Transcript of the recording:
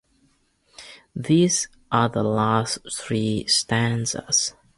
These are the last three stanzas.